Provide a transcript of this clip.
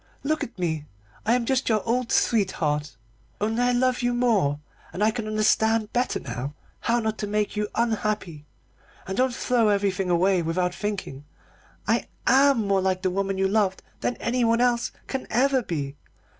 Look at me. I am just like your old sweetheart, only I love you more, and I can understand better now how not to make you unhappy. Ah, don't throw everything away without thinking. I am more like the woman you loved than anyone else can ever be.